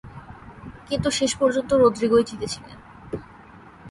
কিন্তু শেষ পর্যন্ত রদ্রিগোই জিতেছিলেন।